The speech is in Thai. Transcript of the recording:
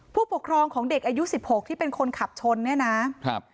ผู้ปกครองของเด็กอายุสิบหกที่เป็นคนขับชนเนี่ยนะครับ